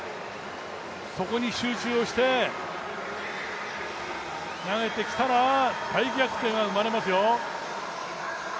そこに集中をして投げてきたら大逆転が生まれますよ。